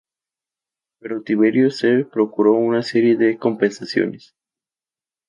Pero Tiberio se procuró una serie de compensaciones.